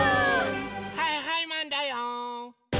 はいはいマンだよ！